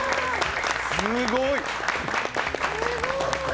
すごい！